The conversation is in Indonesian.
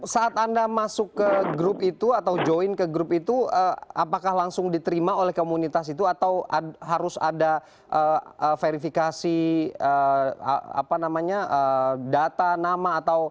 saat anda masuk ke grup itu atau join ke grup itu apakah langsung diterima oleh komunitas itu atau harus ada verifikasi data nama atau